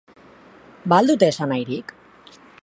Ba al dute esanahirik?